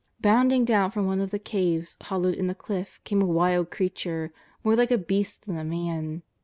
Bounding down from one of the caves hollowed in the cliff came a wild creature, more like a beast than a man.